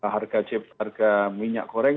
harga minyak goreng